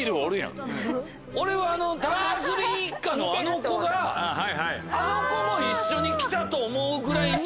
俺はあのダーズリー一家のあの子があの子も。と思うぐらい。